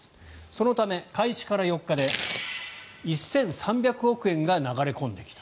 そのため、開始から４日で１３００億円が流れ込んできた。